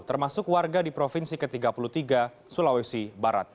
termasuk warga di provinsi ke tiga puluh tiga sulawesi barat